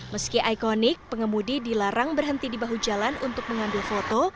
meski ikonik pengemudi dilarang berhenti di bahu jalan untuk mengambil foto